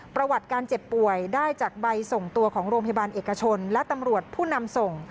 ประวัติการเจ็บป่วยได้จากใบส่งตัวของโรงพยาบาลเอกชนและตำรวจผู้นำส่ง